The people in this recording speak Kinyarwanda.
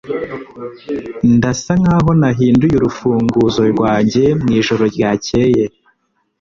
Ndasa nkaho nahinduye urufunguzo rwanjye mwijoro ryakeye.